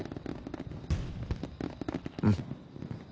うん。